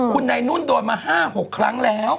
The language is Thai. คุณนายนุ่นโดนมา๕๖ครั้งแล้ว